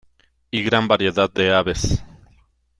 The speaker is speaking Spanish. Y gran variedad de aves.